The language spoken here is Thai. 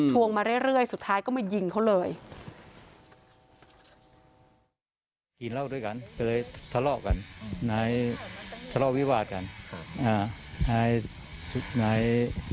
วงมาเรื่อยสุดท้ายก็มายิงเขาเลย